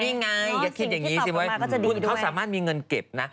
นี่ไงเดี๋ยวคิดอย่างนี้ซิไว้เขาสามารถมีเงินเก็บนะ